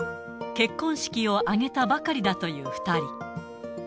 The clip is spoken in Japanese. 結婚式を挙げたばかりだという２人。